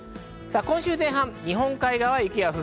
今週前半、日本海側は雪や吹雪。